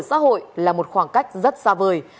xã hội là một khoảng cách rất xa vời